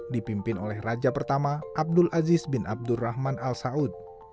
dipimpin oleh raja pertama abdul aziz bin abdurrahman al saud